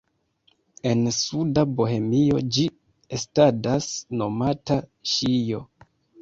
En suda Bohemio ĝi estadas nomata "ŝijo".